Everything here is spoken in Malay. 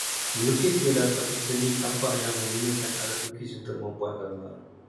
Melukis ialah suatu seni tampak yang menggunakan alat lukis untuk membuat gambar